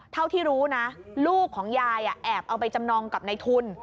เท่าที่รู้นะลูกของยายแอบเอาไปจำนองกับในทุน